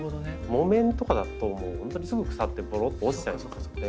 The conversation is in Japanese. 木綿とかだともう本当にすぐ腐ってぼろっと落ちちゃいますんで。